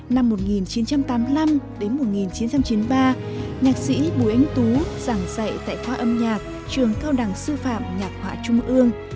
năm một nghìn chín trăm tám mươi năm đến một nghìn chín trăm chín mươi ba nhạc sĩ bùi anh tú giảng dạy tại khoa âm nhạc trường cao đẳng sư phạm nhạc họa trung ương